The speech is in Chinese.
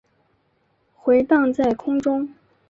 回荡在空中